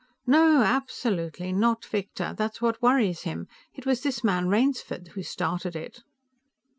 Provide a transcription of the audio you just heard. "No, absolutely not, Victor. That's what worries him. It was this man Rainsford who started it."